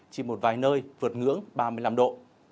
chỉ một vài nơi vượt ngưỡng ba mươi năm độ